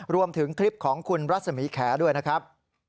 รวมถึงคลิปของคุณรัศมีแขด้วยนะครับ